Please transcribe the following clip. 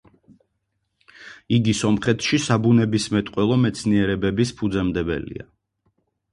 იგი სომხეთში საბუნებისმეტყველო მეცნიერებების ფუძემდებელია.